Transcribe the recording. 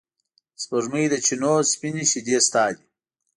د سپوږمۍ د چېنو سپینې شیدې ستا دي